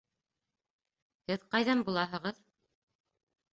Һеҙ ҡайҙан булаһығыҙ?